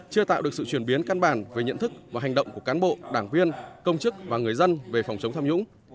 chưa tạo được sự chuyển biến căn bản về nhận thức và hành động của cán bộ đảng viên công chức và người dân về phòng chống tham nhũng